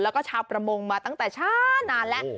แล้วก็ชาวประมงมาตั้งแต่ช้านานแล้ว